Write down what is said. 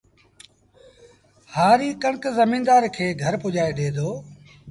هآريٚ ڪڻڪ زميݩدآر کي گھر پُڄآئي ڏي دو